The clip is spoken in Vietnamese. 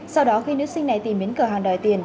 sau đó khi nữ sinh này tìm đến cửa hàng đòi tiền